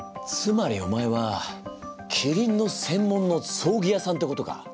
つまりお前はキリンの専門の葬儀屋さんってことか？